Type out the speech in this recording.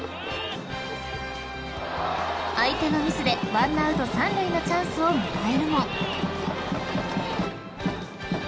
［相手のミスで１アウト３塁のチャンスを迎えるも］